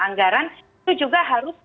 anggaran itu juga harus